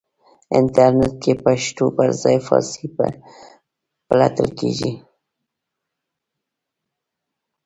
انټرنېټ کې پښتو پرځای فارسی پلټل کېږي.